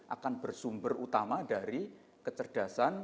akan bersumber utama dari kecerdasan